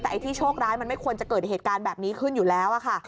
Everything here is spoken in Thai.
แต่ไอ้ที่โชคร้ายมันไม่ควรจะเกิดเหตุการณ์แบบนี้ขึ้นอยู่แล้วค่ะ